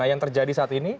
yang terjadi saat ini